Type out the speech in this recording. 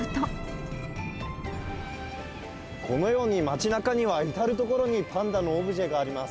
このように、街なかには至る所にパンダのオブジェがあります。